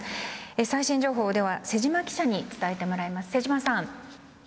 最新情報は瀬島記者に伝えてもらいます。